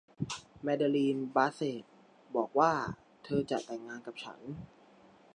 แมเดอรีน บาสเซทบอกกว่าเธอจะแต่งงานกับฉัน